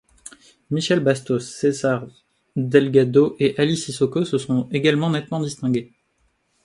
Michel Bastos, César Delgado et Aly Cissokho se sont également nettement distingués.